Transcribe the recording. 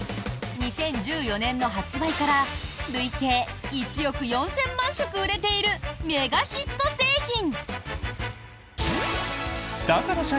２０１４年の発売から累計１億４０００万食売れているメガヒット製品。